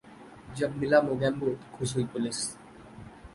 ...जब मिला 'मोगेंबो' तो खुश हुई पुलिस